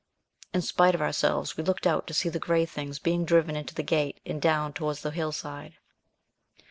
In spite of ourselves, we looked out to see the gray things being driven into the gate, and down toward the hillside.